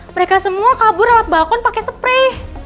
mereka semua kabur lewat balkon pakai spray